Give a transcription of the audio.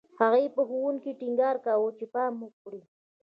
هغې په ښوونکو ټینګار کاوه چې پام وکړي